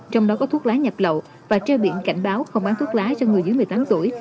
trong đó có thuốc lá nhập lậu và treo biển cảnh báo không bán thuốc lá cho người dưới một mươi tám tuổi